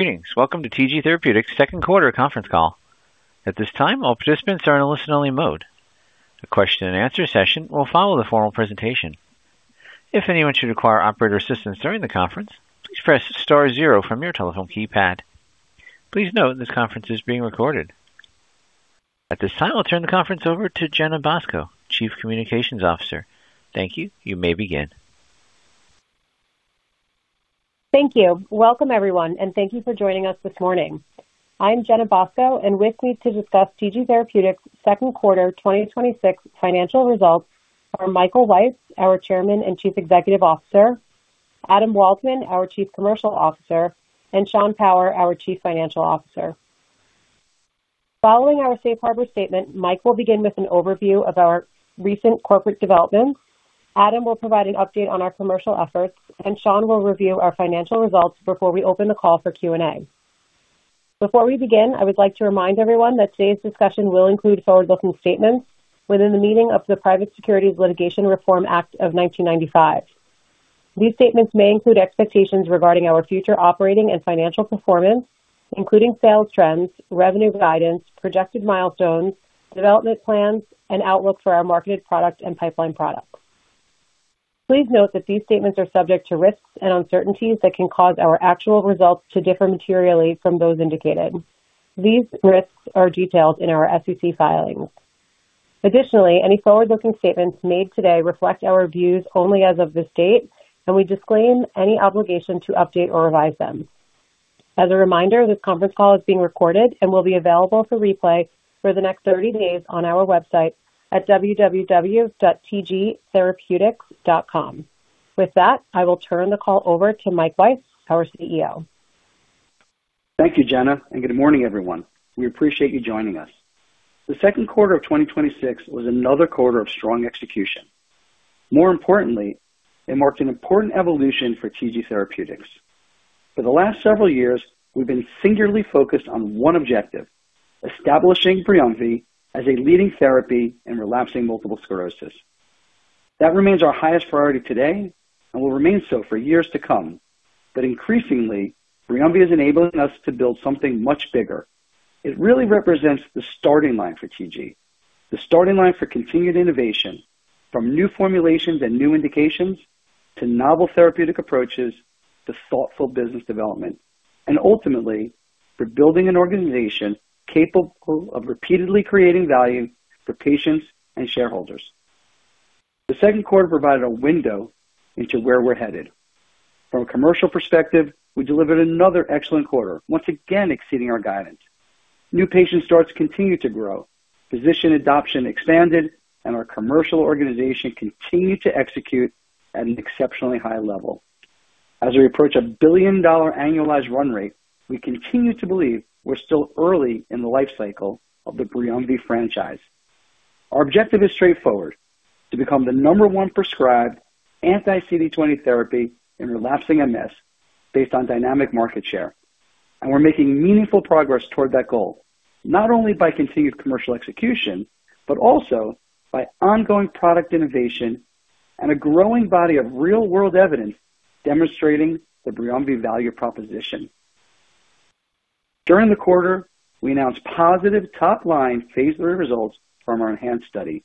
Greetings. Welcome to TG Therapeutics' second quarter conference call. At this time, all participants are in a listen-only mode. The question and answer session will follow the formal presentation. If anyone should require operator assistance during the conference, please press star zero from your telephone keypad. Please note this conference is being recorded. At this time, I'll turn the conference over to Jenna Bosco, Chief Communications Officer. Thank you. You may begin. Thank you. Welcome, everyone, thank you for joining us this morning. I'm Jenna Bosco, with me to discuss TG Therapeutics' second quarter 2026 financial results are Michael Weiss, our Chairman and Chief Executive Officer, Adam Waldman, our Chief Commercial Officer, Sean Power, our Chief Financial Officer. Following our safe harbor statement, Mike will begin with an overview of our recent corporate developments, Adam will provide an update on our commercial efforts, Sean will review our financial results before we open the call for Q&A. Before we begin, I would like to remind everyone that today's discussion will include forward-looking statements within the meaning of the Private Securities Litigation Reform Act of 1995. These statements may include expectations regarding our future operating and financial performance, including sales trends, revenue guidance, projected milestones, development plans, outlook for our marketed products and pipeline products. Please note that these statements are subject to risks and uncertainties that can cause our actual results to differ materially from those indicated. These risks are detailed in our SEC filings. Additionally, any forward-looking statements made today reflect our views only as of this date, we disclaim any obligation to update or revise them. As a reminder, this conference call is being recorded and will be available for replay for the next 30 days on our website at www.tgtherapeutics.com. With that, I will turn the call over to Mike Weiss, our CEO. Thank you, Jenna, good morning, everyone. We appreciate you joining us. The second quarter of 2026 was another quarter of strong execution. More importantly, it marked an important evolution for TG Therapeutics. For the last several years, we've been singularly focused on one objective, establishing BRIUMVI as a leading therapy in relapsing multiple sclerosis. That remains our highest priority today and will remain so for years to come. Increasingly, BRIUMVI is enabling us to build something much bigger. It really represents the starting line for TG, the starting line for continued innovation from new formulations and new indications to novel therapeutic approaches to thoughtful business development, ultimately for building an organization capable of repeatedly creating value for patients and shareholders. The second quarter provided a window into where we're headed. From a commercial perspective, we delivered another excellent quarter, once again exceeding our guidance. New patient starts continued to grow, physician adoption expanded, our commercial organization continued to execute at an exceptionally high level. As we approach a billion-dollar annualized run rate, we continue to believe we're still early in the life cycle of the BRIUMVI franchise. Our objective is straightforward, to become the number one prescribed anti-CD20 therapy in relapsing MS based on dynamic market share. We're making meaningful progress toward that goal, not only by continued commercial execution, but also by ongoing product innovation and a growing body of real-world evidence demonstrating the BRIUMVI value proposition. During the quarter, we announced positive top-line phase III results from our ENHANCE study,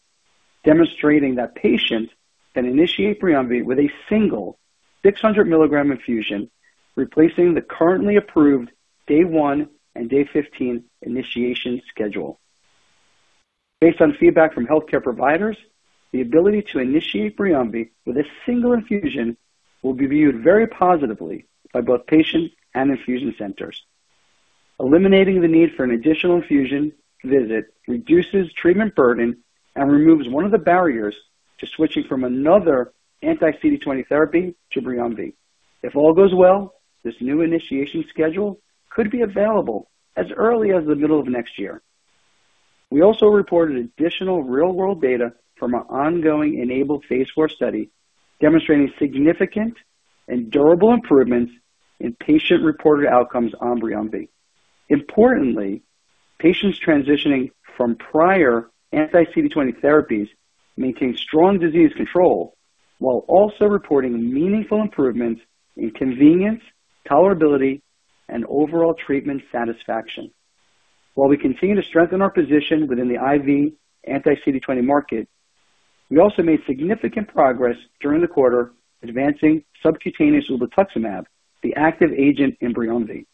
demonstrating that patients can initiate BRIUMVI with a single 600-milligram infusion, replacing the currently approved day one and day 15 initiation schedule. Based on feedback from healthcare providers, the ability to initiate BRIUMVI with a single infusion will be viewed very positively by both patients and infusion centers. Eliminating the need for an additional infusion visit reduces treatment burden and removes one of the barriers to switching from another anti-CD20 therapy to BRIUMVI. If all goes well, this new initiation schedule could be available as early as the middle of next year. We also reported additional real-world data from our ongoing ENABLE phase IV study, demonstrating significant and durable improvements in patient-reported outcomes on BRIUMVI. Importantly, patients transitioning from prior anti-CD20 therapies maintained strong disease control while also reporting meaningful improvements in convenience, tolerability, and overall treatment satisfaction. While we continue to strengthen our position within the IV anti-CD20 market, we also made significant progress during the quarter advancing subcutaneous ublituximab, the active agent in BRIUMVI.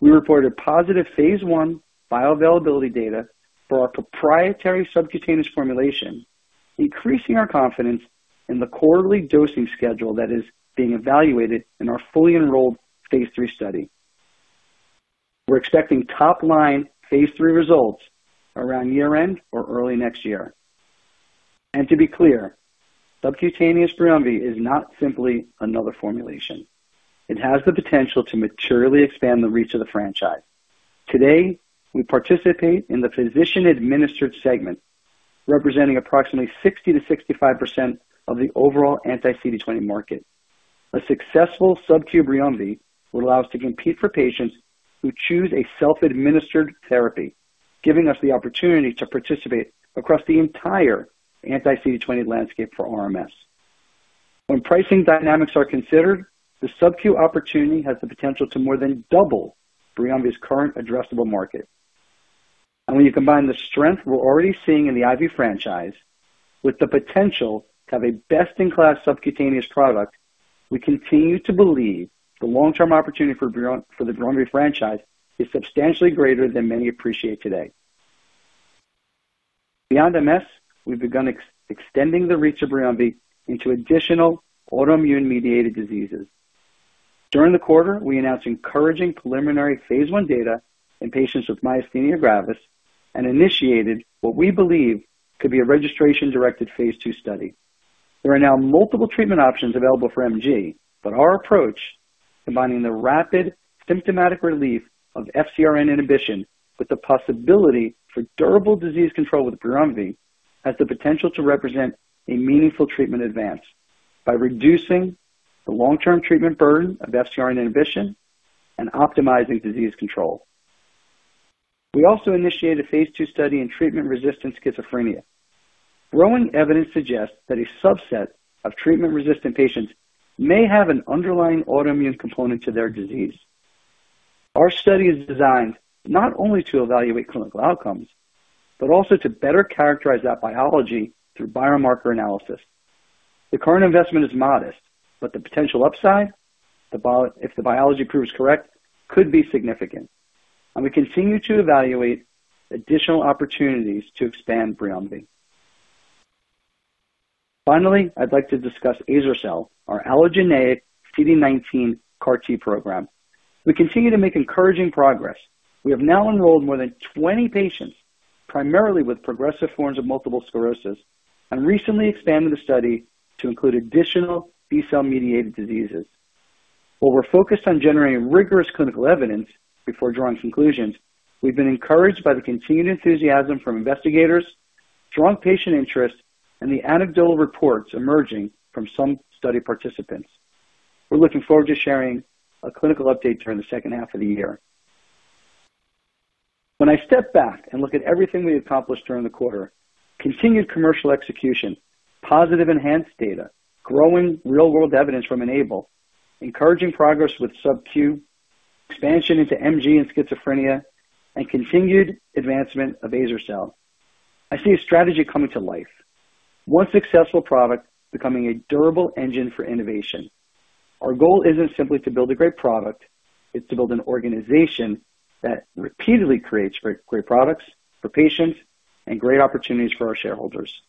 We reported positive phase I bioavailability data for our proprietary subcutaneous formulation, increasing our confidence in the quarterly dosing schedule that is being evaluated in our fully enrolled phase III study. We're expecting top-line phase III results around year-end or early next year. To be clear, subcutaneous BRIUMVI is not simply another formulation. It has the potential to materially expand the reach of the franchise. Today, we participate in the physician-administered segment, representing approximately 60%-65% of the overall anti-CD20 market. A successful subcu BRIUMVI would allow us to compete for patients who choose a self-administered therapy, giving us the opportunity to participate across the entire anti-CD20 landscape for RMS. When pricing dynamics are considered, the subcu opportunity has the potential to more than double BRIUMVI's current addressable market. When you combine the strength we're already seeing in the IV franchise with the potential to have a best-in-class subcutaneous product, we continue to believe the long-term opportunity for the BRIUMVI franchise is substantially greater than many appreciate today. Beyond MS, we've begun extending the reach of BRIUMVI into additional autoimmune-mediated diseases. During the quarter, we announced encouraging preliminary phase I data in patients with myasthenia gravis and initiated what we believe could be a registration-directed phase II study. There are now multiple treatment options available for MG, but our approach, combining the rapid symptomatic relief of FcRn inhibition with the possibility for durable disease control with BRIUMVI, has the potential to represent a meaningful treatment advance by reducing the long-term treatment burden of FcRn inhibition and optimizing disease control. We also initiated a phase II study in treatment-resistant schizophrenia. Growing evidence suggests that a subset of treatment-resistant patients may have an underlying autoimmune component to their disease. Our study is designed not only to evaluate clinical outcomes, but also to better characterize that biology through biomarker analysis. The current investment is modest, but the potential upside, if the biology proves correct, could be significant, and we continue to evaluate additional opportunities to expand BRIUMVI. Finally, I'd like to discuss azer-cel, our allogeneic CD19 CAR T program. We continue to make encouraging progress. We have now enrolled more than 20 patients, primarily with progressive forms of multiple sclerosis, and recently expanded the study to include additional B-cell-mediated diseases. While we're focused on generating rigorous clinical evidence before drawing conclusions, we've been encouraged by the continued enthusiasm from investigators, strong patient interest, and the anecdotal reports emerging from some study participants. We're looking forward to sharing a clinical update during the H2 of the year. When I step back and look at everything we accomplished during the quarter, continued commercial execution, positive ENHANCE data, growing real-world evidence from ENABLE, encouraging progress with subcu, expansion into MG and schizophrenia, and continued advancement of azer-cel. I see a strategy coming to life. One successful product becoming a durable engine for innovation. Our goal isn't simply to build a great product, it's to build an organization that repeatedly creates great products for patients and great opportunities for our shareholders.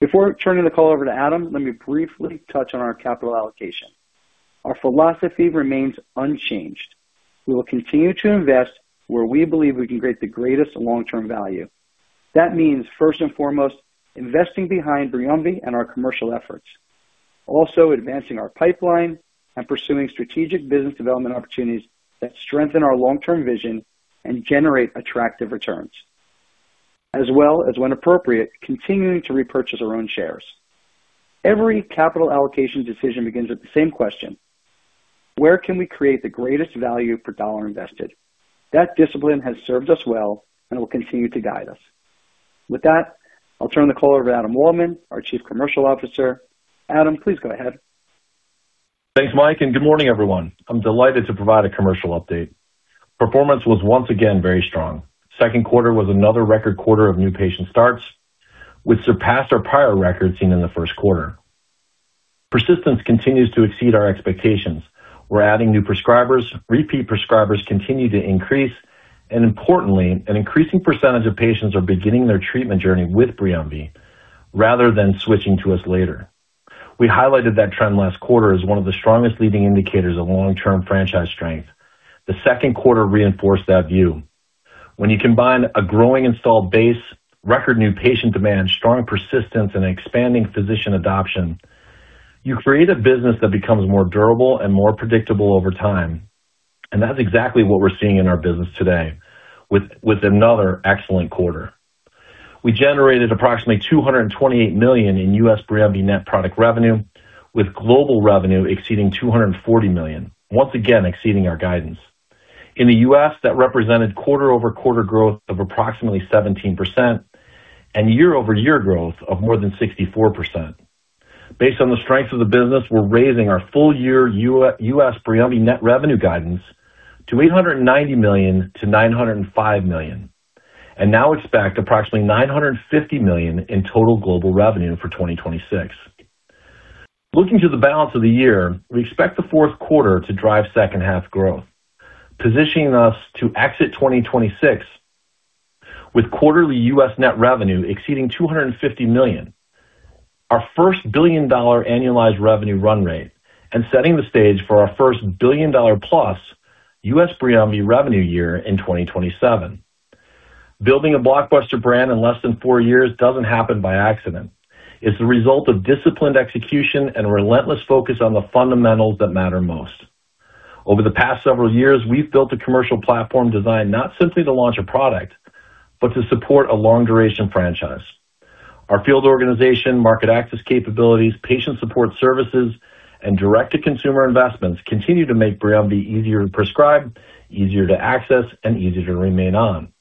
Before turning the call over to Adam, let me briefly touch on our capital allocation. Our philosophy remains unchanged. We will continue to invest where we believe we can create the greatest long-term value. That means, first and foremost, investing behind BRIUMVI and our commercial efforts. Advancing our pipeline and pursuing strategic business development opportunities that strengthen our long-term vision and generate attractive returns. When appropriate, continuing to repurchase our own shares. Every capital allocation decision begins with the same question. Where can we create the greatest value per dollar invested? That discipline has served us well and will continue to guide us. With that, I'll turn the call over to Adam Waldman, our Chief Commercial Officer. Adam, please go ahead. Thanks, Mike, and good morning, everyone. I'm delighted to provide a commercial update. Performance was once again very strong. Second quarter was another record quarter of new patient starts, which surpassed our prior record seen in the first quarter. Persistence continues to exceed our expectations. We're adding new prescribers. Repeat prescribers continue to increase. Importantly, an increasing percentage of patients are beginning their treatment journey with BRIUMVI rather than switching to us later. We highlighted that trend last quarter as one of the strongest leading indicators of long-term franchise strength. The second quarter reinforced that view. When you combine a growing installed base, record new patient demand, strong persistence, and expanding physician adoption, you create a business that becomes more durable and more predictable over time. That's exactly what we're seeing in our business today with another excellent quarter. We generated approximately $228 million in U.S. BRIUMVI net product revenue, with global revenue exceeding $240 million, once again exceeding our guidance. In the U.S., that represented quarter-over-quarter growth of approximately 17% and year-over-year growth of more than 64%. Based on the strength of the business, we are raising our full-year U.S. BRIUMVI net revenue guidance to $890 million-$905 million, and now expect approximately $950 million in total global revenue for 2026. Looking to the balance of the year, we expect the fourth quarter to drive second-half growth, positioning us to exit 2026 with quarterly U.S. net revenue exceeding $250 million, our first billion-dollar annualized revenue run rate, and setting the stage for our first billion-dollar+ U.S. BRIUMVI revenue year in 2027. Building a blockbuster brand in less than four years doesn't happen by accident. It's the result of disciplined execution and relentless focus on the fundamentals that matter most. Over the past several years, we have built a commercial platform designed not simply to launch a product, but to support a long-duration franchise. Our field organization, market access capabilities, patient support services, and direct-to-consumer investments continue to make BRIUMVI easier to prescribe, easier to access, and easier to remain on.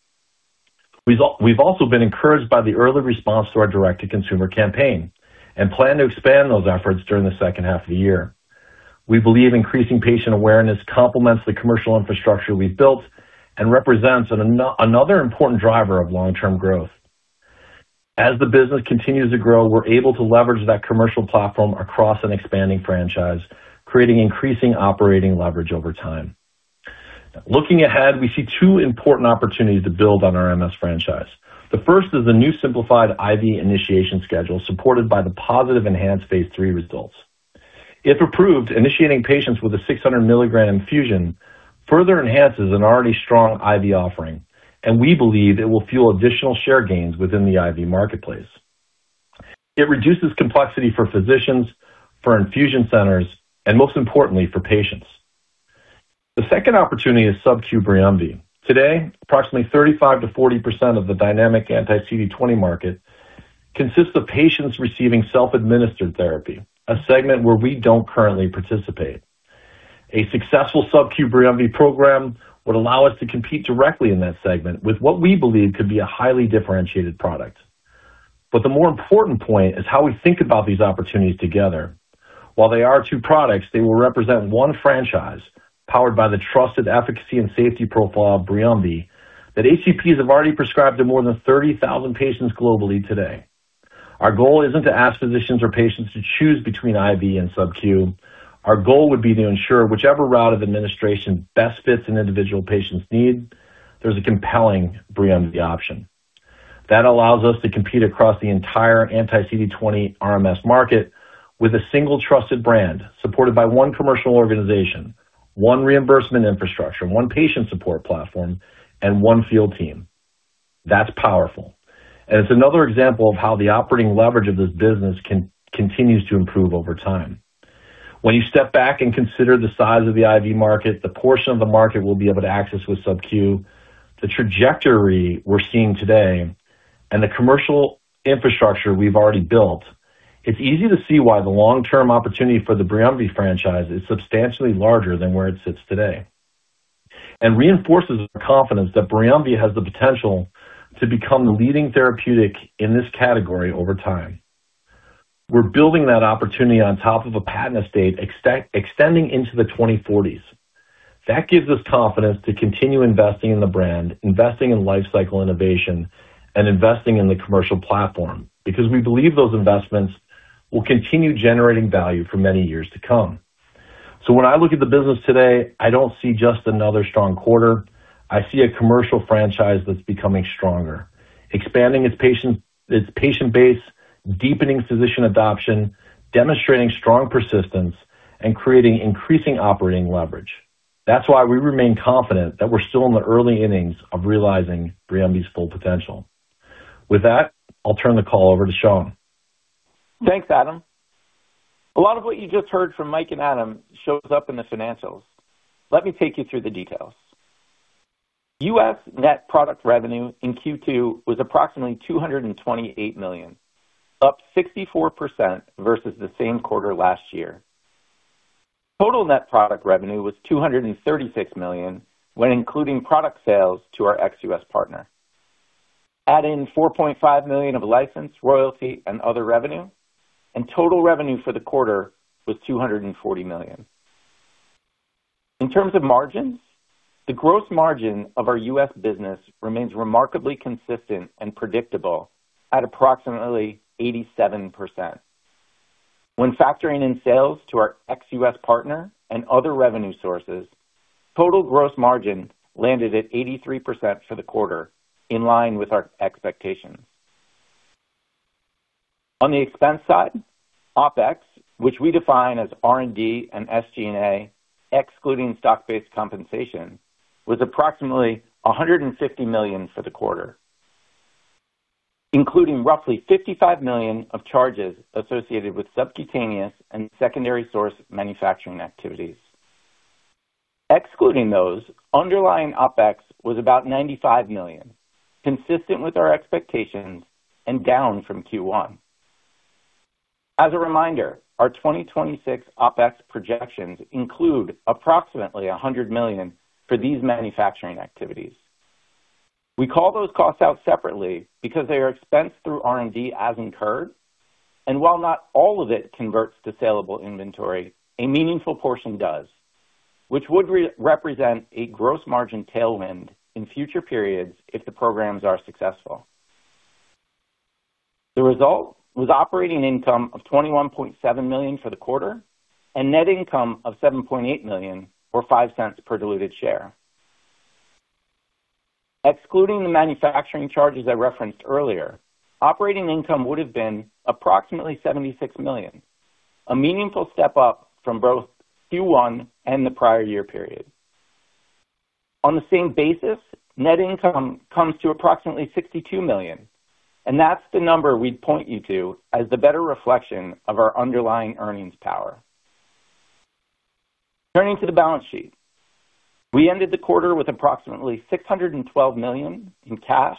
We have also been encouraged by the early response to our direct-to-consumer campaign and plan to expand those efforts during the H2 of the year. We believe increasing patient awareness complements the commercial infrastructure we have built and represents another important driver of long-term growth. As the business continues to grow, we are able to leverage that commercial platform across an expanding franchise, creating increasing operating leverage over time. Looking ahead, we see two important opportunities to build on our MS franchise. The first is the new simplified IV initiation schedule supported by the positive ENHANCE phase III results. If approved, initiating patients with a 600 mg infusion further enhances an already strong IV offering, and we believe it will fuel additional share gains within the IV marketplace. It reduces complexity for physicians, for infusion centers, and most importantly, for patients. The second opportunity is subcu BRIUMVI. Today, approximately 35%-40% of the dynamic anti-CD20 market consists of patients receiving self-administered therapy, a segment where we don't currently participate. A successful subcu BRIUMVI program would allow us to compete directly in that segment with what we believe could be a highly differentiated product. The more important point is how we think about these opportunities together. While they are two products, they will represent one franchise powered by the trusted efficacy and safety profile of BRIUMVI that HCPs have already prescribed to more than 30,000 patients globally today. Our goal isn't to ask physicians or patients to choose between IV and subcu. Our goal would be to ensure whichever route of administration best fits an individual patient's need, there is a compelling BRIUMVI option. That allows us to compete across the entire anti-CD20 RMS market with a single trusted brand supported by one commercial organization, one reimbursement infrastructure, one patient support platform, and one field team. That's powerful, and it's another example of how the operating leverage of this business continues to improve over time. When you step back and consider the size of the IV market, the portion of the market we'll be able to access with subcu, the trajectory we're seeing today, and the commercial infrastructure we've already built, it's easy to see why the long-term opportunity for the BRIUMVI franchise is substantially larger than where it sits today and reinforces our confidence that BRIUMVI has the potential to become the leading therapeutic in this category over time. We're building that opportunity on top of a patent estate extending into the 2040s. That gives us confidence to continue investing in the brand, investing in life cycle innovation, and investing in the commercial platform because we believe those investments will continue generating value for many years to come. When I look at the business today, I don't see just another strong quarter. I see a commercial franchise that's becoming stronger, expanding its patient base, deepening physician adoption, demonstrating strong persistence, and creating increasing operating leverage. We remain confident that we're still in the early innings of realizing BRIUMVI's full potential. With that, I'll turn the call over to Sean. Thanks, Adam. A lot of what you just heard from Mike and Adam shows up in the financials. Let me take you through the details. U.S. net product revenue in Q2 was approximately $228 million, up 64% versus the same quarter last year. Total net product revenue was $236 million, when including product sales to our ex-U.S. partner. Add in $4.5 million of license, royalty, and other revenue, and total revenue for the quarter was $240 million. In terms of margins, the gross margin of our U.S. business remains remarkably consistent and predictable at approximately 87%. When factoring in sales to our ex-U.S. partner and other revenue sources, total gross margin landed at 83% for the quarter, in line with our expectations. On the expense side, OpEx, which we define as R&D and SG&A, excluding stock-based compensation, was approximately $150 million for the quarter, including roughly $55 million of charges associated with subcutaneous and secondary source manufacturing activities. Excluding those, underlying OpEx was about $95 million, consistent with our expectations and down from Q1. As a reminder, our 2026 OpEx projections include approximately $100 million for these manufacturing activities. We call those costs out separately because they are expensed through R&D as incurred, and while not all of it converts to saleable inventory, a meaningful portion does, which would represent a gross margin tailwind in future periods if the programs are successful. The result was operating income of $21.7 million for the quarter and net income of $7.8 million or $0.05 per diluted share. Excluding the manufacturing charges I referenced earlier, operating income would have been approximately $76 million, a meaningful step-up from both Q1 and the prior year period. On the same basis, net income comes to approximately $62 million, and that's the number we'd point you to as the better reflection of our underlying earnings power. Turning to the balance sheet. We ended the quarter with approximately $612 million in cash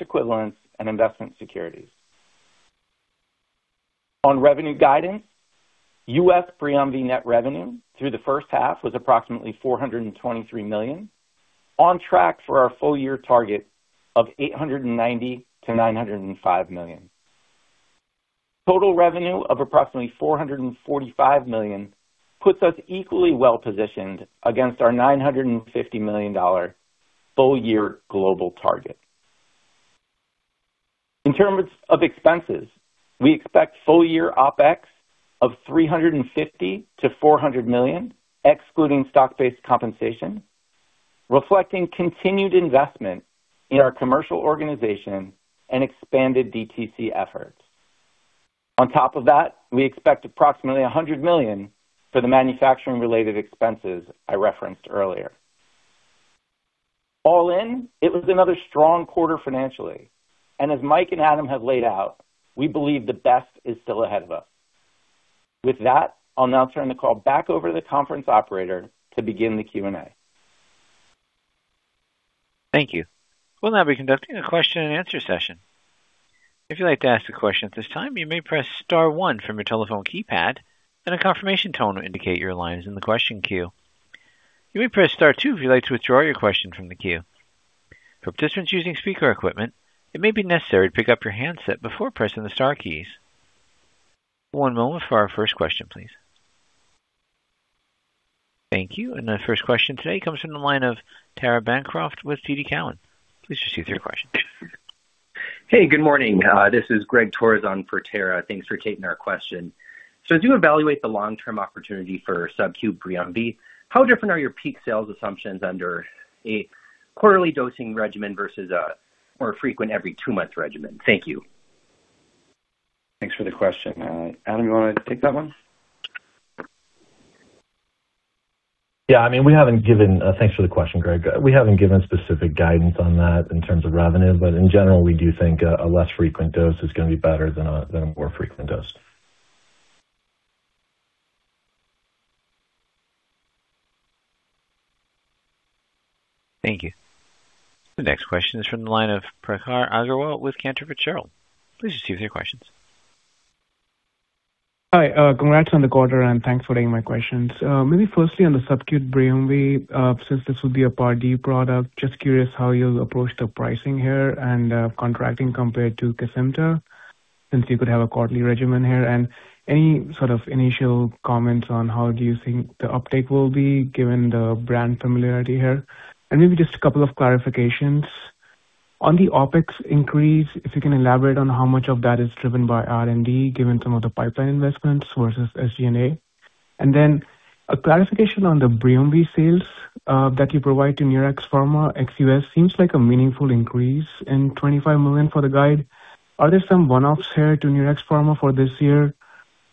equivalents, and investment securities. On revenue guidance, U.S. BRIUMVI net revenue through the H1 was approximately $423 million, on track for our full-year target of $890 million-$905 million. Total revenue of approximately $445 million puts us equally well-positioned against our $950 million full-year global target. In terms of expenses, we expect full-year OpEx of $350 million-$400 million, excluding stock-based compensation, reflecting continued investment in our commercial organization and expanded DTC efforts. On top of that, we expect approximately $100 million for the manufacturing-related expenses I referenced earlier. All in, it was another strong quarter financially. As Mike and Adam have laid out, we believe the best is still ahead of us. With that, I'll now turn the call back over to the conference operator to begin the Q&A. Thank you. We'll now be conducting a question and answer session. If you'd like to ask a question at this time, you may press star one from your telephone keypad, and a confirmation tone will indicate your line is in the question queue. You may press star two if you'd like to withdraw your question from the queue. For participants using speaker equipment, it may be necessary to pick up your handset before pressing the star keys. One moment for our first question, please. Thank you. The first question today comes from the line of Tara Bancroft with TD Cowen. Please proceed with your question. Hey, good morning. This is Greg Torres on for Tara. Thanks for taking our question. As you evaluate the long-term opportunity for subcu BRIUMVI, how different are your peak sales assumptions under a quarterly dosing regimen versus a more frequent every two months regimen? Thank you. Thanks for the question. Adam, you want to take that one? Yeah. Thanks for the question, Greg. In general, we do think a less frequent dose is going to be better than a more frequent dose. Thank you. The next question is from the line of Prakhar Agrawal with Cantor Fitzgerald. Please proceed with your questions. Hi. Congrats on the quarter. Thanks for taking my questions. Maybe firstly on the subcu BRIUMVI, since this will be a Part D product, just curious how you'll approach the pricing here and contracting compared to KESIMPTA, since you could have a quarterly regimen here. Any sort of initial comments on how do you think the uptake will be given the brand familiarity here? Maybe just a couple of clarifications. On the OpEx increase, if you can elaborate on how much of that is driven by R&D, given some of the pipeline investments versus SG&A. A clarification on the BRIUMVI sales that you provide to Neuraxpharm ex U.S. seems like a meaningful increase in $25 million for the guide. Are there some one-offs here to Neuraxpharm for this year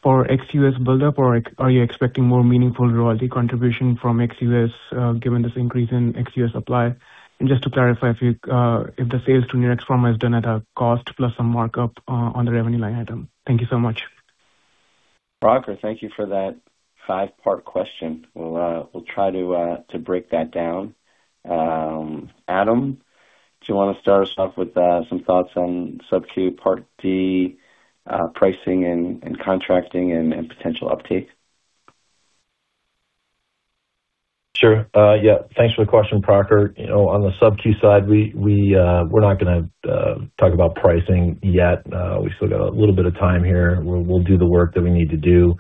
for ex-U.S. buildup, or are you expecting more meaningful royalty contribution from ex-U.S., given this increase in ex-U.S. supply? Just to clarify, if the sales to Neuraxpharm is done at a cost plus some markup on the revenue line item. Thank you so much. Prakhar, thank you for that five-part question. We'll try to break that down. Adam, do you want to start us off with some thoughts on subcu Part D pricing and contracting and potential uptake? Sure. Yeah. Thanks for the question, Prakhar. On the subcu side, we're not going to talk about pricing yet. We've still got a little bit of time here. We'll do the work that we need to do.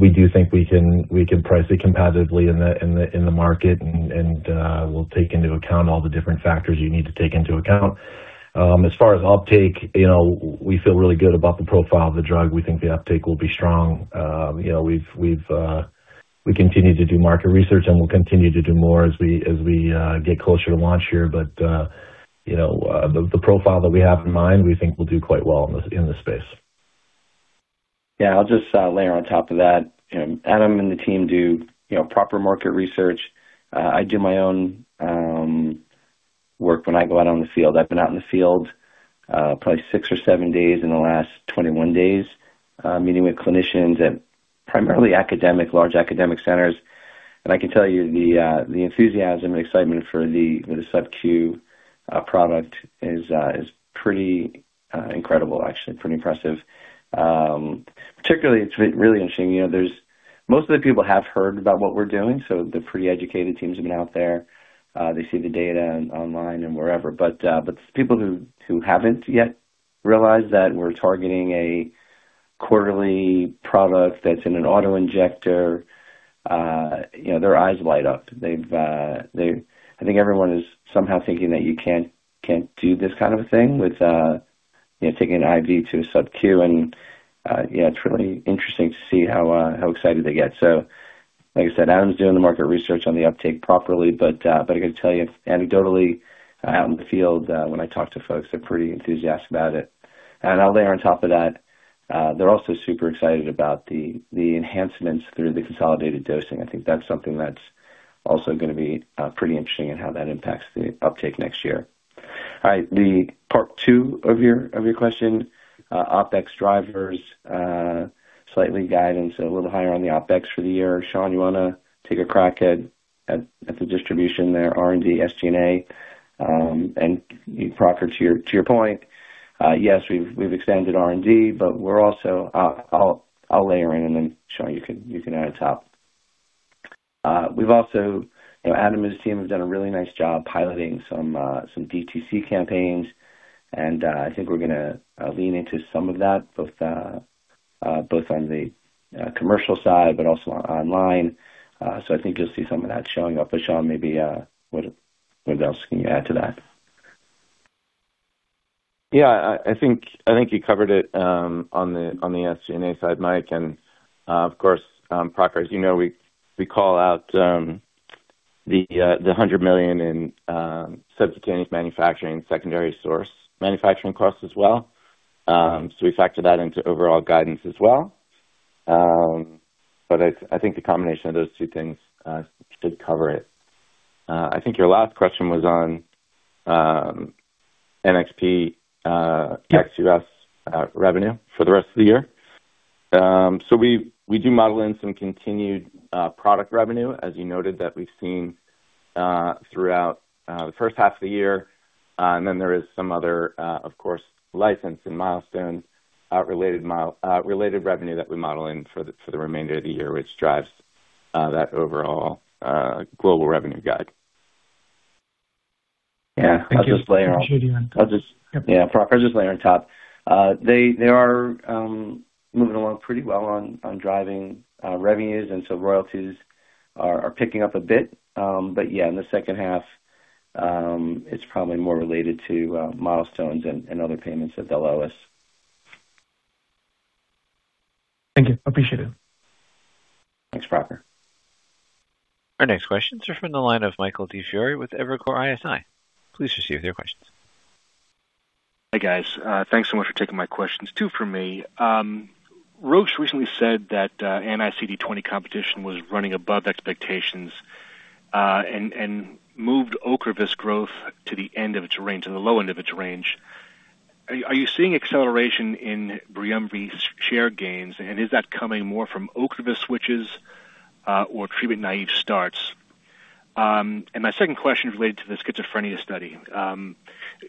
We do think we can price it competitively in the market, and we'll take into account all the different factors you need to take into account. As far as uptake, we feel really good about the profile of the drug. We think the uptake will be strong. We continue to do market research, and we'll continue to do more as we get closer to launch here. The profile that we have in mind, we think will do quite well in this space. Yeah, I'll just layer on top of that. Adam and the team do proper market research. I do my own work when I go out on the field. I've been out in the field probably six or seven days in the last 21 days, meeting with clinicians at primarily large academic centers. I can tell you the enthusiasm and excitement for the subcu product is pretty incredible, actually. Pretty impressive. Particularly, it's really interesting. Most of the people have heard about what we're doing, so the pre-educated teams have been out there. They see the data online and wherever. People who haven't yet realized that we're targeting a quarterly product that's in an auto-injector, their eyes light up. I think everyone is somehow thinking that you can't do this kind of a thing with taking an IV to a subcu, and yeah, it's really interesting to see how excited they get. Like I said, Adam's doing the market research on the uptake properly, but I got to tell you, anecdotally, out in the field, when I talk to folks, they're pretty enthusiastic about it. I'll layer on top of that, they're also super excited about the enhancements through the consolidated dosing. I think that's something that's also going to be pretty interesting in how that impacts the uptake next year. All right. The part two of your question, OpEx drivers, slightly guidance a little higher on the OpEx for the year. Sean, you want to take a crack at the distribution there, R&D, SG&A? Prakhar, to your point, yes, we've extended R&D, but I'll layer in and then, Sean, you can add on top. Adam and his team have done a really nice job piloting some DTC campaigns, and I think we're going to lean into some of that, both on the commercial side, but also online. I think you'll see some of that showing up. Sean, maybe what else can you add to that? Yeah. I think you covered it on the SG&A side, Mike. Of course, Prakhar, as you know, we call out the $100 million in subcutaneous manufacturing, secondary source manufacturing costs as well. We factor that into overall guidance as well. I think the combination of those two things should cover it. I think your last question was on NXP ex-U.S. revenue for the rest of the year. We do model in some continued product revenue, as you noted that we've seen throughout the H1 of the year. There is some other, of course, license and milestones related revenue that we model in for the remainder of the year, which drives that overall global revenue guide. Yeah. Thank you. Appreciate you. Prakhar, I'll just layer on top. They are moving along pretty well on driving revenues, royalties are picking up a bit. Yeah, in the H2, it's probably more related to milestones and other payments that they'll owe us. Thank you. Appreciate it. Thanks, Prakhar. Our next questions are from the line of Michael DiFiore with Evercore ISI. Please proceed with your questions. Hi, guys. Thanks so much for taking my questions. Two from me. Roche recently said that anti-CD20 competition was running above expectations, and moved OCREVUS growth to the low end of its range. Are you seeing acceleration in BRIUMVI's share gains, and is that coming more from OCREVUS switches or treatment-naive starts? My second question is related to the schizophrenia study.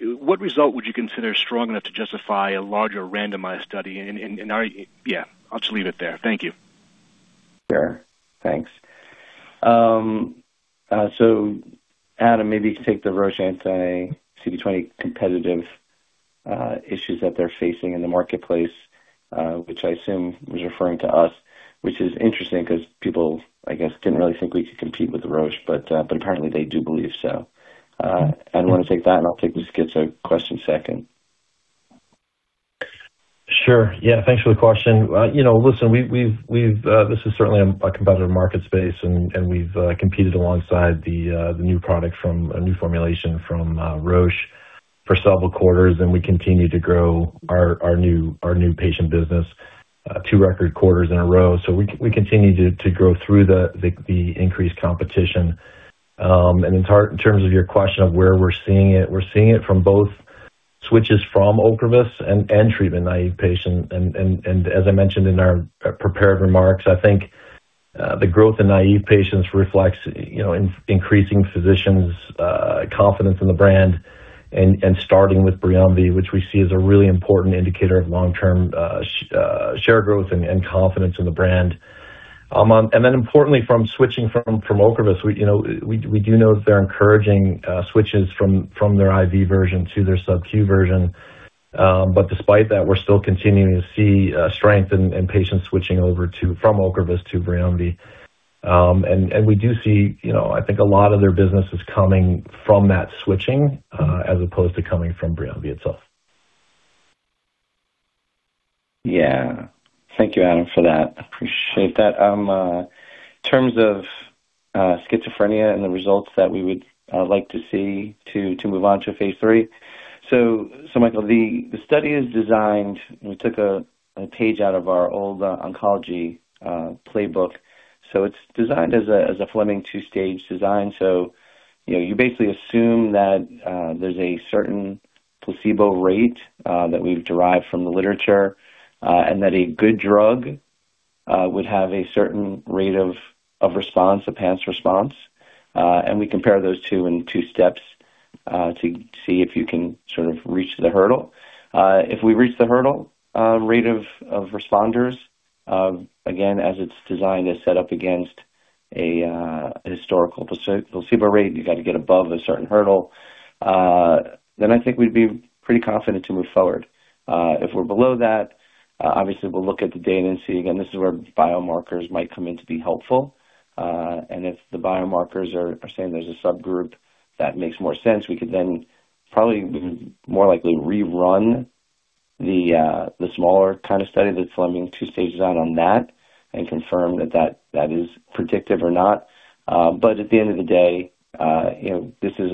What result would you consider strong enough to justify a larger randomized study? Yeah. I'll just leave it there. Thank you. Sure. Thanks. Adam, maybe take the Roche anti-CD20 competitive issues that they're facing in the marketplace, which I assume was referring to us, which is interesting because people, I guess, didn't really think we could compete with Roche, but apparently they do believe so. Adam, do you want to take that, and I'll take the schizo question second. Sure. Yeah. Thanks for the question. Listen, this is certainly a competitive market space, and we've competed alongside the new product from a new formulation from Roche for several quarters, and we continue to grow our new patient business two record quarters in a row. We continue to grow through the increased competition. In terms of your question of where we're seeing it, we're seeing it from both switches from OCREVUS and treatment-naive patients. As I mentioned in our prepared remarks, I think the growth in naive patients reflects increasing physicians' confidence in the brand and starting with BRIUMVI, which we see as a really important indicator of long-term share growth and confidence in the brand. Then importantly, from switching from OCREVUS, we do know that they're encouraging switches from their IV version to their subcu version. Despite that, we're still continuing to see strength in patients switching over from OCREVUS to BRIUMVI. We do see I think a lot of their business is coming from that switching, as opposed to coming from BRIUMVI itself. Yeah. Thank you, Adam, for that. Appreciate that. In terms of schizophrenia and the results that we would like to see to move on to phase III. Michael, the study is designed. We took a page out of our old oncology playbook. It's designed as a Fleming two-stage design. You basically assume that there's a certain placebo rate that we've derived from the literature, and that a good drug would have a certain rate of response, a PANSS response. We compare those two in two steps, to see if you can sort of reach the hurdle. If we reach the hurdle rate of responders, again, as it's designed, it's set up against a historical placebo rate, and you've got to get above a certain hurdle, I think we'd be pretty confident to move forward. If we're below that, obviously we'll look at the data and see. Again, this is where biomarkers might come in to be helpful. If the biomarkers are saying there's a subgroup that makes more sense, we could then probably more likely rerun the smaller kind of study, the Fleming two-stage design on that and confirm that is predictive or not. At the end of the day, this is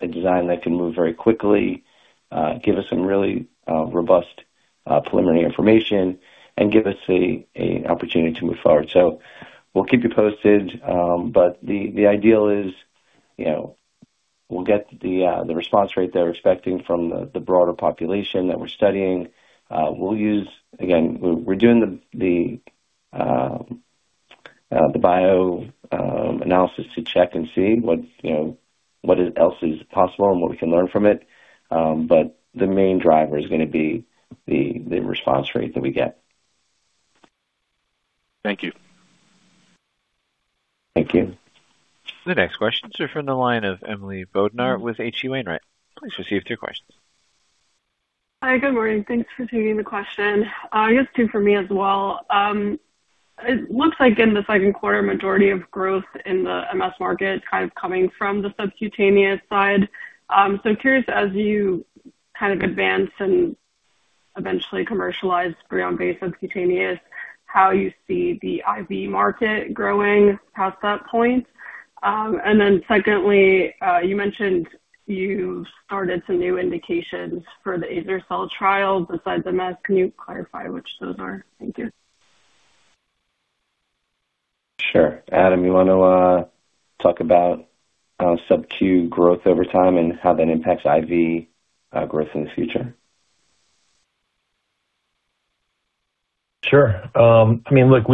a design that can move very quickly, give us some really robust preliminary information and give us an opportunity to move forward. We'll keep you posted. The ideal is we'll get the response rate that we're expecting from the broader population that we're studying. Again, we're doing the bio analysis to check and see what else is possible and what we can learn from it. The main driver is going to be the response rate that we get. Thank you. Thank you. The next questions are from the line of Emily Bodnar with H.C. Wainwright. Please proceed with your questions. Hi. Good morning. Thanks for taking the question. You guys too from me as well. It looks like in the second quarter, majority of growth in the MS market is kind of coming from the subcutaneous side. Curious as you kind of advance and eventually commercialize BRIUMVI subcutaneous, how you see the IV market growing past that point. Secondly, you mentioned you've started some new indications for the azer-cel trials besides MS. Can you clarify which those are? Thank you. Sure. Adam, you want to talk about subQ growth over time and how that impacts IV growth in the future? Sure. I mean, look,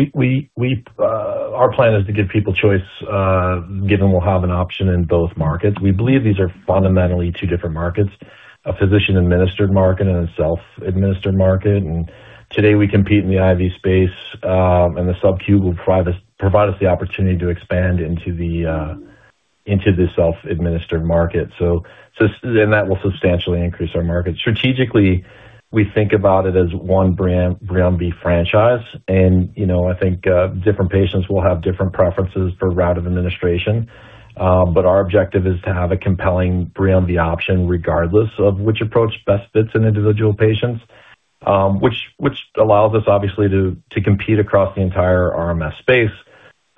our plan is to give people choice, given we'll have an option in both markets. We believe these are fundamentally two different markets, a physician-administered market and a self-administered market. Today we compete in the IV space, and the subcu will provide us the opportunity to expand into the self-administered market. That will substantially increase our market. Strategically, we think about it as one BRIUMVI franchise. I think different patients will have different preferences for route of administration. Our objective is to have a compelling BRIUMVI option, regardless of which approach best fits an individual patient, which allows us, obviously, to compete across the entire RMS space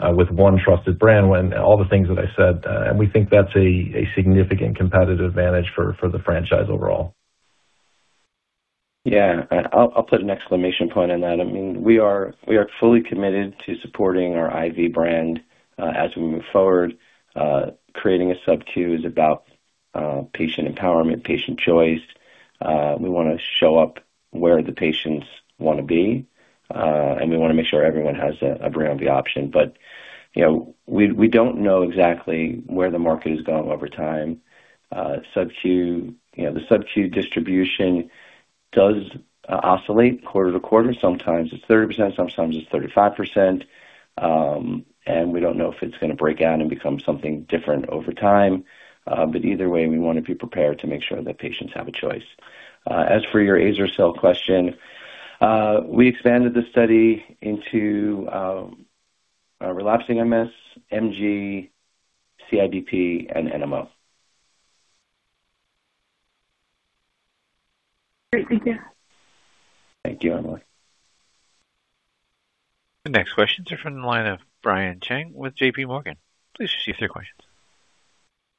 with one trusted brand when all the things that I said. We think that's a significant competitive advantage for the franchise overall. Yeah. I'll put an exclamation point on that. I mean, we are fully committed to supporting our IV brand as we move forward. Creating a subcu is about patient empowerment, patient choice. We want to show up where the patients want to be. We want to make sure everyone has a BRIUMVI option. We don't know exactly where the market is going over time. The subcu distribution does oscillate quarter-to-quarter. Sometimes it's 30%, sometimes it's 35%. We don't know if it's going to break out and become something different over time. Either way, we want to be prepared to make sure that patients have a choice. As for your azer-cel question, we expanded the study into relapsing MS, MG, CIDP and NMO. Great. Thank you. Thank you, Emily. The next questions are from the line of Brian Cheng with JPMorgan. Please proceed with your questions.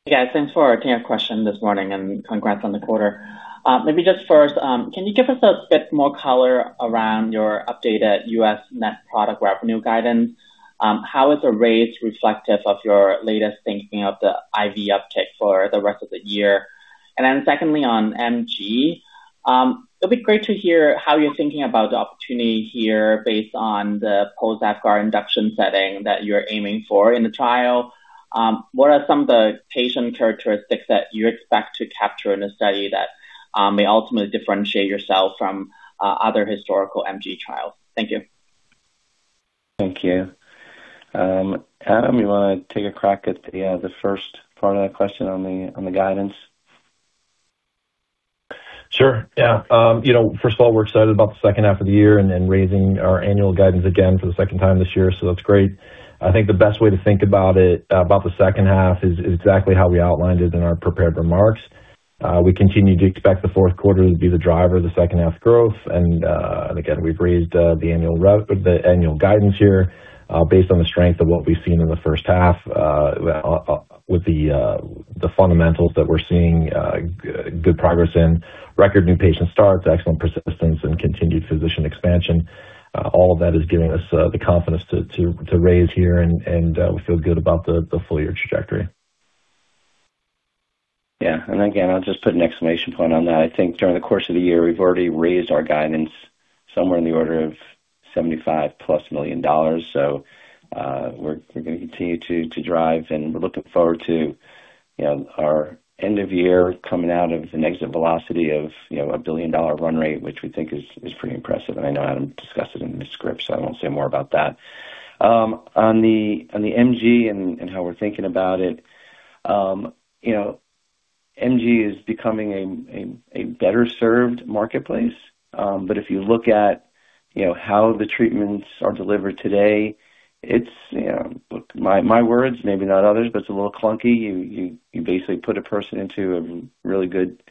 Yes. Thanks for taking a question this morning. Congrats on the quarter. Let me just first, can you give us a bit more color around your updated U.S. net product revenue guidance? How is the rate reflective of your latest thinking of the IV uptick for the rest of the year? Secondly, on MG, it'd be great to hear how you're thinking about the opportunity here based on the post-AFQAR induction setting that you're aiming for in the trial. What are some of the patient characteristics that you expect to capture in a study that may ultimately differentiate yourself from other historical MG trials? Thank you. Thank you. Adam, you want to take a crack at the first part of that question on the guidance? Sure, yeah. First of all, we're excited about the H2 of the year and then raising our annual guidance again for the second time this year, so that's great. I think the best way to think about it, about the H2 is exactly how we outlined it in our prepared remarks. We continue to expect the fourth quarter to be the driver of the H2 growth. Again, we've raised the annual guidance here based on the strength of what we've seen in the H1 with the fundamentals that we're seeing good progress in. Record new patient starts, excellent persistence, and continued physician expansion. All of that is giving us the confidence to raise here, and we feel good about the full year trajectory. Yeah. Again, I'll just put an exclamation point on that. I think during the course of the year, we've already raised our guidance somewhere in the order of $75+ million. We're going to continue to drive, and we're looking forward to our end of year coming out of an exit velocity of a billion-dollar run rate, which we think is pretty impressive. I know Adam discussed it in the script, I won't say more about that. On the MG and how we're thinking about it. MG is becoming a better-served marketplace. If you look at how the treatments are delivered today, it's my words, maybe not others, but it's a little clunky. You basically put a person into a really good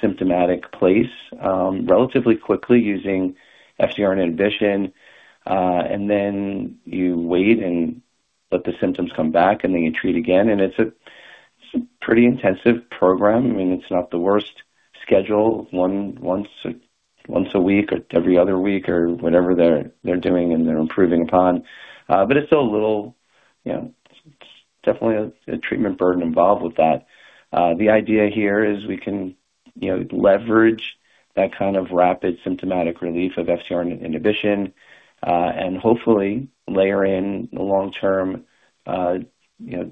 symptomatic place relatively quickly using FcRn inhibition. Then you wait and let the symptoms come back, then you treat again. It's a pretty intensive program. I mean, it's not the worst schedule, once a week or every other week or whatever they're doing and they're improving upon. It's still a little. Definitely a treatment burden involved with that. The idea here is we can leverage that kind of rapid symptomatic relief of FcRn inhibition, and hopefully layer in the long-term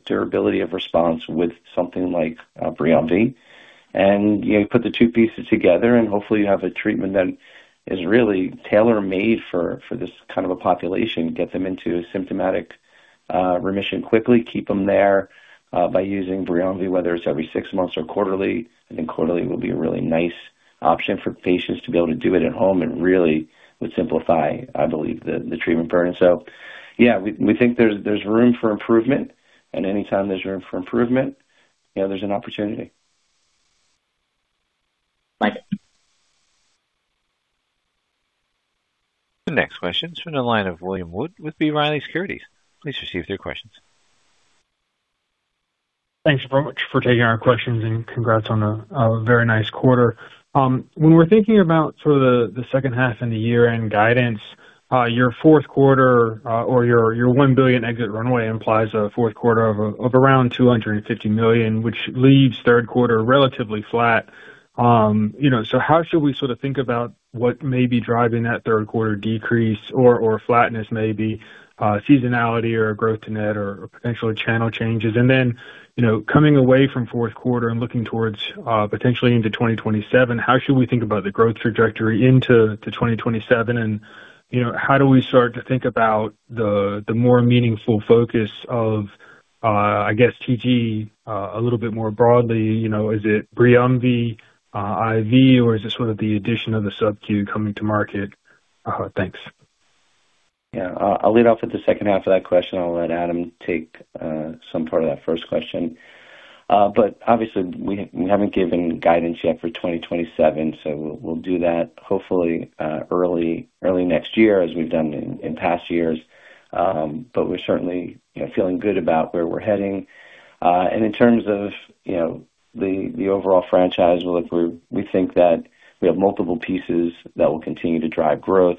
durability of response with something like BRIUMVI. You put the two pieces together and hopefully you have a treatment that is really tailor-made for this kind of a population. Get them into symptomatic remission quickly, keep them there by using BRIUMVI, whether it's every six months or quarterly. I think quarterly would be a really nice option for patients to be able to do it at home and really would simplify, I believe, the treatment burden. Yeah, we think there's room for improvement, and anytime there's room for improvement, there's an opportunity. Thank you. The next question is from the line of William Wood with B. Riley Securities. Please proceed with your questions. Thanks very much for taking our questions and congrats on a very nice quarter. When we're thinking about sort of the second half and the year-end guidance, your fourth quarter or your $1 billion exit runway implies a fourth quarter of around $250 million, which leaves third quarter relatively flat. How should we sort of think about what may be driving that third quarter decrease or flatness maybe, seasonality or growth net or potentially channel changes? Coming away from fourth quarter and looking towards potentially into 2027, how should we think about the growth trajectory into 2027 and how do we start to think about the more meaningful focus of, I guess TG a little bit more broadly? Is it BRIUMVI IV or is it sort of the addition of the subQ coming to market? Thanks. Yeah. I'll lead off with the second half of that question. I'll let Adam take some part of that first question. Obviously, we haven't given guidance yet for 2027, we'll do that hopefully early next year as we've done in past years. We're certainly feeling good about where we're heading. In terms of the overall franchise, look, we think that we have multiple pieces that will continue to drive growth.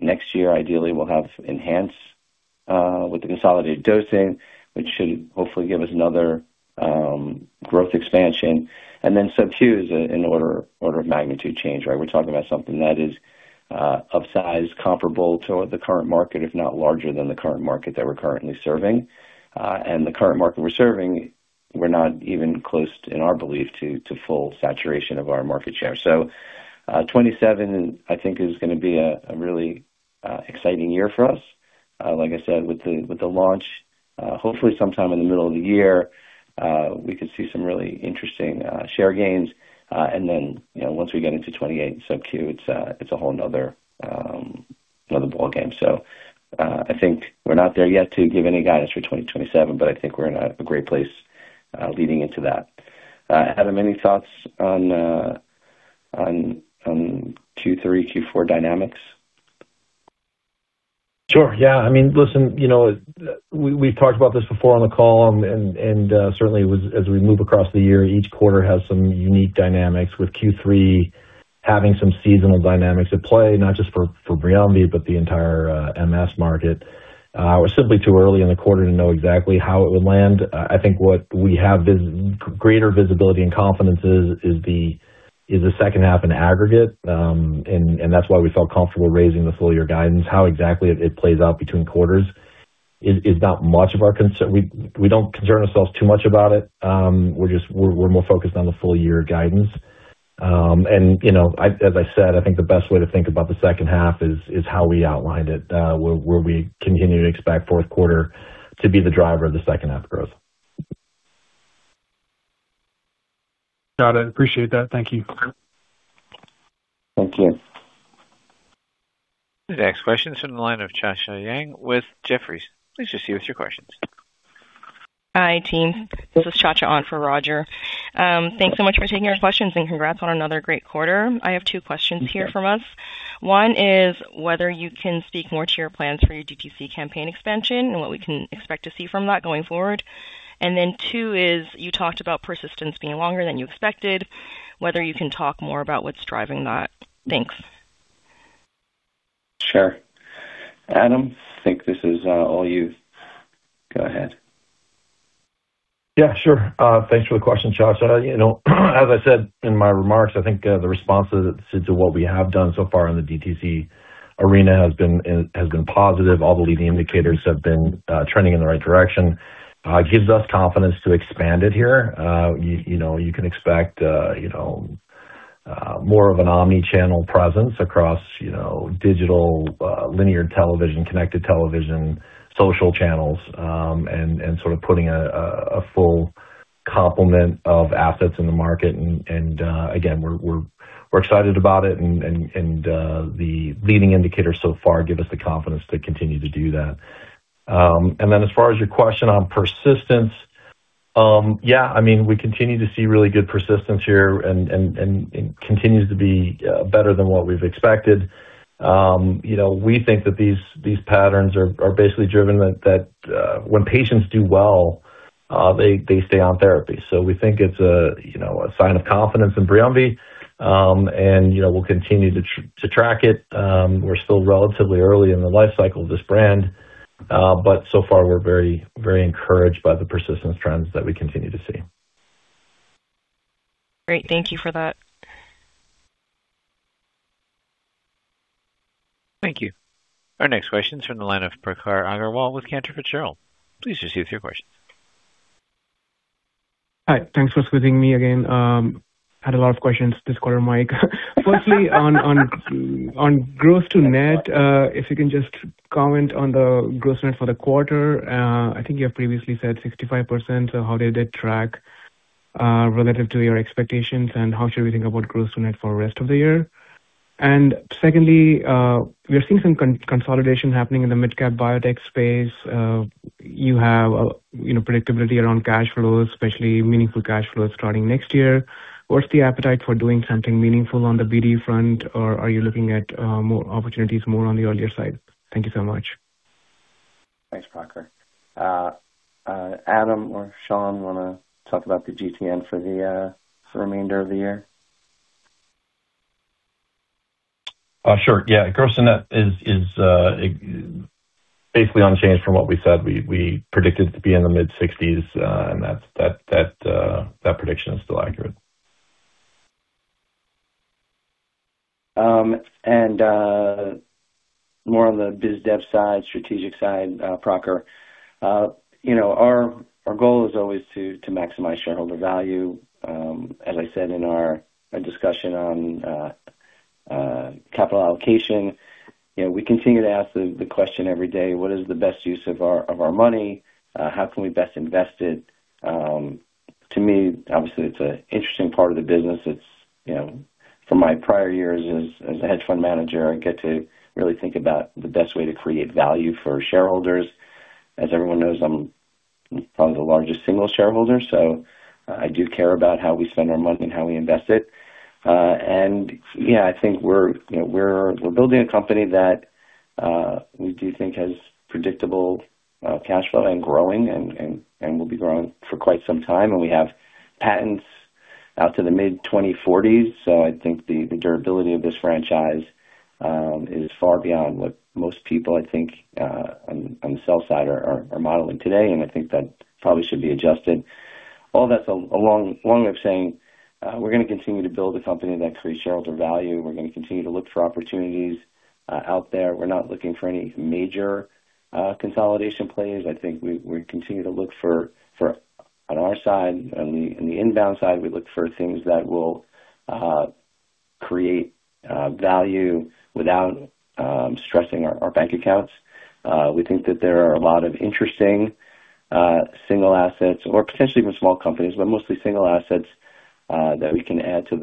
Next year, ideally, we'll have ENHANCE with the consolidated dosing, which should hopefully give us another growth expansion. subQ is an order of magnitude change, right? We're talking about something that is of size comparable to the current market, if not larger than the current market that we're currently serving. The current market we're serving, we're not even close to, in our belief, to full saturation of our market share. 2027, I think is going to be a really exciting year for us. Like I said, with the launch, hopefully sometime in the middle of the year, we could see some really interesting share gains. Once we get into 2028 subQ, it's a whole another ballgame. I think we're not there yet to give any guidance for 2027, but I think we're in a great place leading into that. Adam, any thoughts on Q3, Q4 dynamics? Sure. Yeah. Listen, we've talked about this before on the call. Certainly as we move across the year, each quarter has some unique dynamics, with Q3 having some seasonal dynamics at play, not just for BRIUMVI, but the entire MS market. We're simply too early in the quarter to know exactly how it would land. I think what we have greater visibility and confidence is the H2 in aggregate. That's why we felt comfortable raising the full year guidance. How exactly it plays out between quarters is not much of our concern. We don't concern ourselves too much about it. We're more focused on the full year guidance. As I said, I think the best way to think about the H2 is how we outlined it, where we continue to expect fourth quarter to be the driver of the H2 growth. Got it. Appreciate that. Thank you. Thank you. The next question is from the line of Cha Cha Yang with Jefferies. Please proceed with your questions. Hi, team. This is Cha Cha on for Roger. Thanks so much for taking our questions and congrats on another great quarter. I have two questions here from us. One is whether you can speak more to your plans for your DTC campaign expansion and what we can expect to see from that going forward. Two is, you talked about persistence being longer than you expected, whether you can talk more about what's driving that. Thanks. Sure. Adam, I think this is all you. Go ahead. Sure. Thanks for the question, Cha Cha. As I said in my remarks, I think the responses to what we have done so far in the DTC arena has been positive. All the leading indicators have been trending in the right direction. Gives us confidence to expand it here. You can expect more of an omni-channel presence across digital, linear television, connected television, social channels, and sort of putting a full complement of assets in the market. Again, we're excited about it and the leading indicators so far give us the confidence to continue to do that. As far as your question on persistence, we continue to see really good persistence here and continues to be better than what we've expected. We think that these patterns are basically driven that when patients do well, they stay on therapy. We think it's a sign of confidence in BRIUMVI. We'll continue to track it. We're still relatively early in the life cycle of this brand. So far, we're very encouraged by the persistence trends that we continue to see. Great. Thank you for that. Thank you. Our next question's from the line of Prakhar Agrawal with Cantor Fitzgerald. Please proceed with your questions. Hi. Thanks for squeezing me again. Had a lot of questions this quarter, Mike. Firstly, on growth to net, if you can just comment on the growth net for the quarter. I think you have previously said 65%, so how did it track relative to your expectations, and how should we think about growth to net for the rest of the year? Secondly, we are seeing some consolidation happening in the mid-cap biotech space. You have predictability around cash flows, especially meaningful cash flows starting next year. What's the appetite for doing something meaningful on the BD front, or are you looking at more opportunities more on the earlier side? Thank you so much. Thanks, Prakhar. Adam or Sean wanna talk about the GTN for the remainder of the year? Sure. Yeah. Growth to net is basically unchanged from what we said. We predicted to be in the mid-sixties. That prediction is still accurate. More on the biz dev side, strategic side, Prakhar. Our goal is always to maximize shareholder value. As I said in our discussion on capital allocation, we continue to ask the question every day, what is the best use of our money? How can we best invest it? To me, obviously, it's an interesting part of the business. From my prior years as a hedge fund manager, I get to really think about the best way to create value for shareholders. As everyone knows, I'm probably the largest single shareholder, so I do care about how we spend our money and how we invest it. Yeah, I think we're building a company that we do think has predictable cash flow and growing and will be growing for quite some time. We have patents out to the mid-2040s. I think the durability of this franchise is far beyond what most people, I think, on the sell side are modeling today. I think that probably should be adjusted. All that's a long way of saying we're going to continue to build a company that creates shareholder value. We're going to continue to look for opportunities out there. We're not looking for any major consolidation plays. I think we continue to look for, on our side, on the inbound side, we look for things that will create value without stressing our bank accounts. We think that there are a lot of interesting single assets or potentially even small companies, but mostly single assets, that we can add to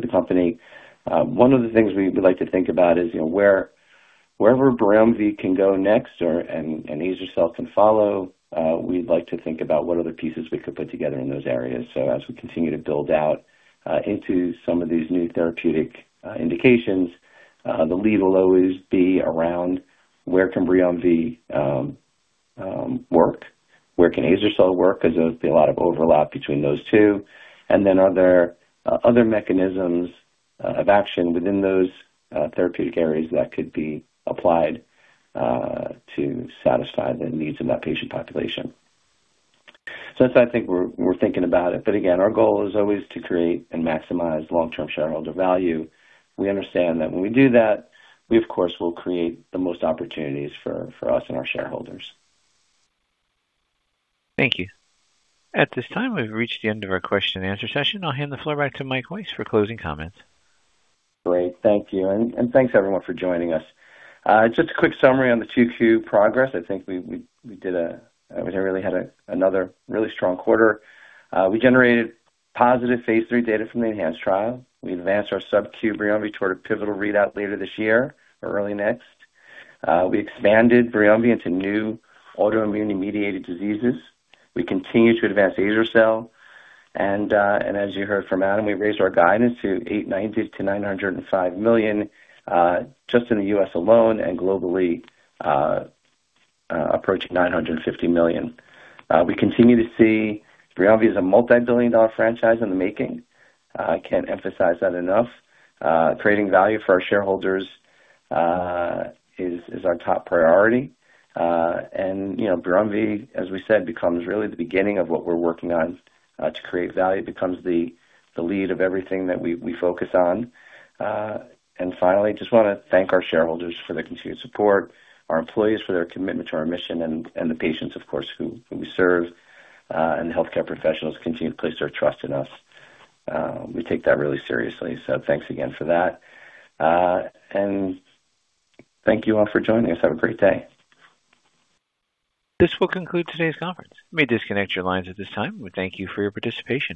the company. One of the things we like to think about is wherever BRIUMVI can go next and azer-cel can follow, we'd like to think about what other pieces we could put together in those areas. As we continue to build out into some of these new therapeutic indications, the lead will always be around where can BRIUMVI work, where can azer-cel work, because there would be a lot of overlap between those two. Then are there other mechanisms of action within those therapeutic areas that could be applied to satisfy the needs of that patient population? That's how I think we're thinking about it. Again, our goal is always to create and maximize long-term shareholder value. We understand that when we do that, we, of course, will create the most opportunities for us and our shareholders. Thank you. At this time, we've reached the end of our question and answer session. I'll hand the floor back to Mike Weiss for closing comments. Great. Thank you. Thanks, everyone, for joining us. Just a quick summary on the Q2 progress. I think we really had another really strong quarter. We generated positive phase III data from the ENHANCE trial. We advanced our subcu BRIUMVI toward a pivotal readout later this year or early next. We expanded BRIUMVI into new autoimmune and mediated diseases. We continue to advance azer-cel. As you heard from Adam, we raised our guidance to $890 million-$905 million just in the U.S. alone and globally approaching $950 million. We continue to see BRIUMVI as a multi-billion-dollar franchise in the making. I can't emphasize that enough. Creating value for our shareholders is our top priority. BRIUMVI, as we said, becomes really the beginning of what we're working on to create value. It becomes the lead of everything that we focus on. Finally, just want to thank our shareholders for their continued support, our employees for their commitment to our mission, and the patients, of course, who we serve, and the healthcare professionals who continue to place their trust in us. We take that really seriously. Thanks again for that. Thank you all for joining us. Have a great day. This will conclude today's conference. You may disconnect your lines at this time. We thank you for your participation